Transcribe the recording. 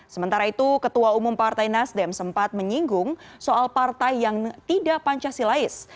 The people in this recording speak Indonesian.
sementara itu ketua umum partai nasdem sempat menyinggung soal partai yang tidak pancasilais